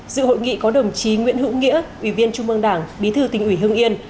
dự hội nghị có đồng chí nguyễn hữu nghĩa ủy viên trung mương đảng bí thư tỉnh ủy hương yên